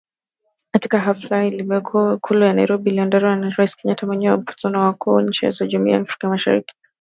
Katika hafla iliyofanyika Ikulu ya Nairobi iliyoandaliwa na Rais Kenyatta mwenyeji wa mkutano wa wakuu wa nchi za Jumuiya ya Afrika Mashariki